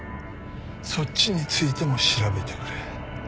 そっちについても調べてくれ。